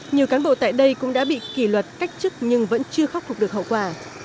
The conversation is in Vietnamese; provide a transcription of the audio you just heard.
nhiều cán bộ tại đây cũng đã bị kỷ luật cách chức nhưng vẫn chưa khắc phục được hậu quả